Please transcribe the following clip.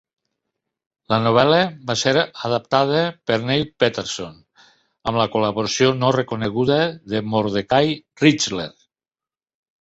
La novel·la va ser adaptada per Neil Paterson, amb la col·laboració no reconeguda de Mordecai Richler.